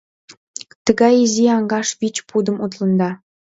Тыгай изи аҥаш вич пудым утленда?